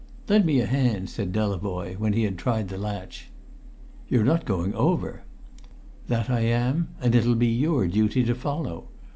"Lend me a hand," said Delavoye when he had tried the latch. "You're not going over?" "That I am, and it'll be your duty to follow.